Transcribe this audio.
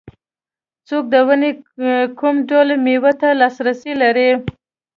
څوک د ونې کوم ډول مېوې ته لاسرسی لري.